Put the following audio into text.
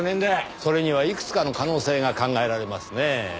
それにはいくつかの可能性が考えられますねぇ。